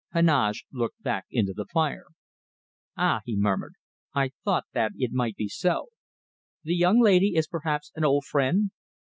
Heneage looked back into the fire. "Ah!" he murmured. "I thought that it might be so. The young lady is perhaps an old friend?"